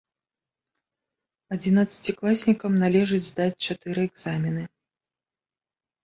Адзінаццацікласнікам належыць здаць чатыры экзамены.